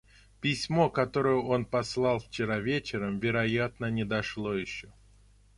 Письмо, которое он послал вчера вечером, вероятно, не дошло еще.